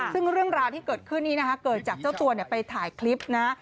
ซึ่งเรื่องราวที่เกิดขึ้นนี้นะคะเกิดจากเจ้าตัวไปถ่ายคลิปนะ